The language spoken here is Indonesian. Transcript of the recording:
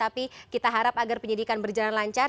tapi kita harap agar penyidikan berjalan lancar